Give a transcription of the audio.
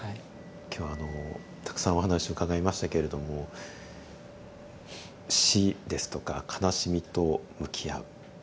今日はあのたくさんお話を伺いましたけれども死ですとか悲しみと向き合う。